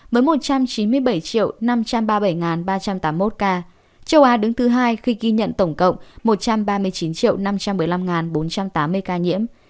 với một trăm chín mươi bảy năm trăm ba mươi bảy ba trăm tám mươi một ca châu á đứng thứ hai khi ghi nhận tổng cộng một trăm ba mươi chín năm trăm một mươi năm bốn trăm tám mươi ca nhiễm